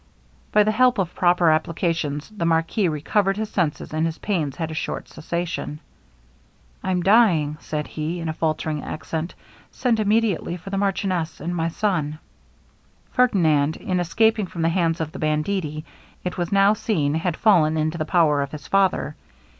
By the help of proper applications the marquis recovered his senses and his pains had a short cessation. 'I am dying,' said he, in a faultering accent; 'send instantly for the marchioness and my son.' Ferdinand, in escaping from the hands of the banditti, it was now seen, had fallen into the power of his father.